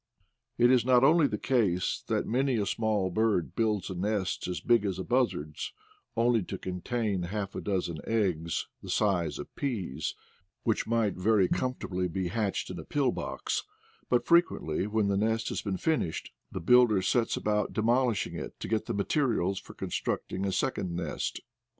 It is not only the case that many a small bird builds a nest as big as a buzzard's, only to contain half a dozen eggs the size of peas, which might very comfortably be hatched in a pill box; but frequently, when the nest has been finished, the builder sets about de molishing it to get the materials for constructing a second nest.